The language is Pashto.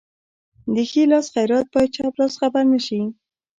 د ښي لاس خیرات باید چپ لاس خبر نشي.